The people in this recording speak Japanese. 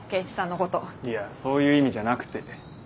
いやそういう意味じゃなくて。